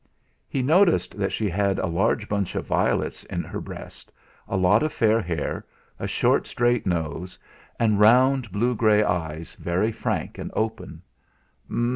He noticed that she had a large bunch of violets at her breast, a lot of fair hair, a short straight nose, and round blue grey eyes very frank and open.